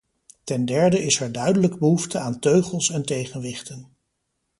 Ten derde is er duidelijk behoefte aan teugels en tegenwichten.